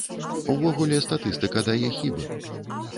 Увогуле, статыстыка дае хібы.